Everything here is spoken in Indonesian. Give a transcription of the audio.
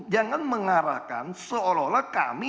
jangan mengarahkan seolah olah kami